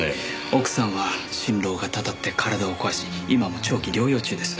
奥さんは心労がたたって体を壊し今も長期療養中です。